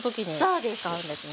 そうです。